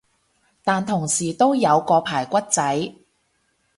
但同時都有個排骨仔